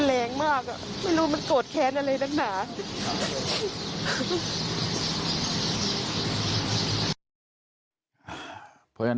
แรงมากไม่รู้มันโกรธแค้นอะไรดังหนา